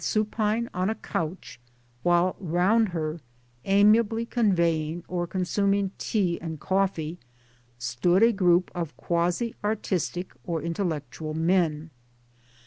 supine on a couch while round her, amiably conveying or consuming tea and coffee, stood a group of quasi artistic or intellectual men.